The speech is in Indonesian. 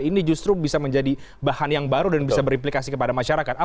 ini justru bisa menjadi bahan yang baru dan bisa berimplikasi kepada masyarakat